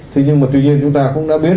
thế nhưng mà tuy nhiên chúng ta cũng đã biết